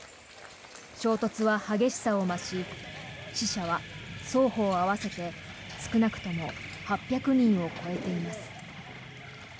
衝突は激しさを増し死者は双方合わせて、少なくとも８００人を超えています。